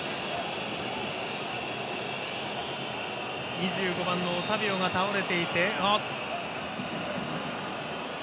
２５番のオタビオが倒れていて。